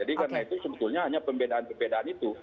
jadi karena itu sebetulnya hanya pembedaan pebedaan itu